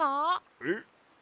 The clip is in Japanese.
えっ？